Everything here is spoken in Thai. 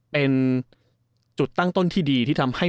เป็นจุดตั้งต้นที่ดีที่ทำให้